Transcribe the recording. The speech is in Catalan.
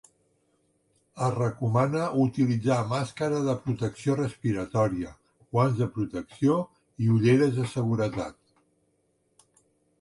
Es recomana utilitzar màscara de protecció respiratòria, guants de protecció i ulleres de seguretat.